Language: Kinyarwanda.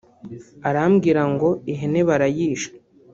arambwira ngo ihene barayishe